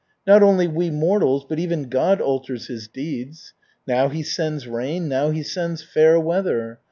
Not only we mortals, but even God alters His deeds. Now He sends rain, now He sends fair weather.